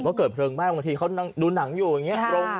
ก็เกิดเพลิงไหม้บางทีเขาดูหนังอยู่อย่างนี้